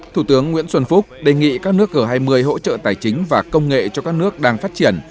thủ tướng nguyễn xuân phúc đề nghị các nước g hai mươi hỗ trợ tài chính và công nghệ cho các nước đang phát triển